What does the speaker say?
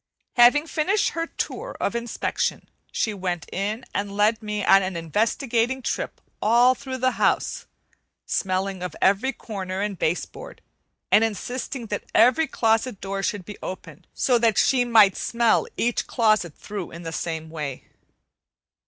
Having finished her tour of inspection, she went in and led me on an investigating trip all through the house, smelling of every corner and base board, and insisting that every closet door should be opened, so that she might smell each closet through in the same way.